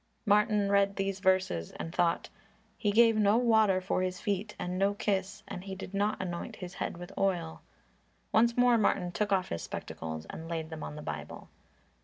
Martin read these verses and thought, "He gave no water for His feet, and no kiss, and he did not anoint His head with oil." Once more Martin took off his spectacles and laid them on the Bible.